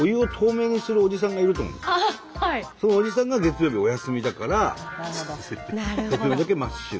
そのおじさんが月曜日お休みだから月曜だけ真っ白。